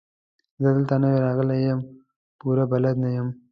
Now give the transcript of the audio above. زه دلته نوی راغلی يم، پوره بلد نه يم.